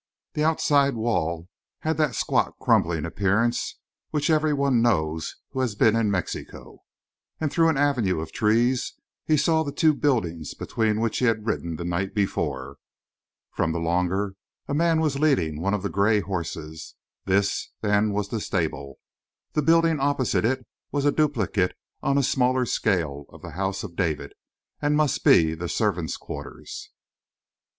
The outside wall had that squat, crumbling appearance which every one knows who has been in Mexico and through an avenue of trees he saw the two buildings between which he had ridden the night before. From the longer a man was leading one of the gray horses. This, then, was the stable; the building opposite it was a duplicate on a smaller scale of the house of David, and must be the servants' quarters.